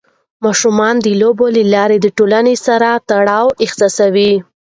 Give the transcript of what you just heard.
ماشومان د لوبو له لارې د ټولنې سره تړاو احساسوي.